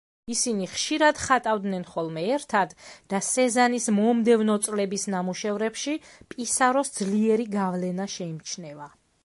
ისინი ხშირად ხატავდნენ ხოლმე ერთად და სეზანის მომდევნო წლების ნამუშევრებში პისაროს ძლიერი გავლენა შეიმჩნევა.